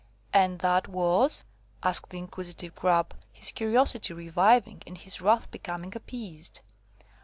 "And that was?" asked the inquisitive Grub, his curiosity reviving, and his wrath becoming appeased.